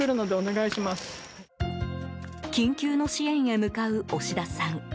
緊急の支援へ向かう押田さん。